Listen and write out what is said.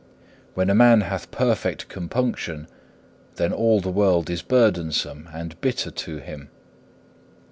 When a man hath perfect compunction, then all the world is burdensome and bitter to him.